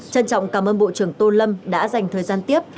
trân trọng cảm ơn bộ trưởng tô lâm đã dành thời gian tiếp